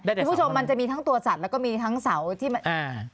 คุณผู้ชมมันจะมีทั้งตัวสัตว์แล้วก็มีทั้งเสาที่มันอ่า